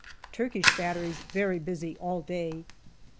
Turkish batteries very busy all day.